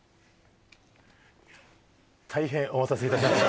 大変お待たせいたしました